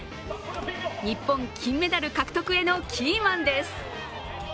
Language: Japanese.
日本金メダル獲得へのキーマンです。